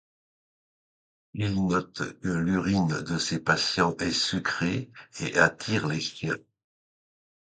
Il note que l'urine de ses patients est sucrée et attire les chiens.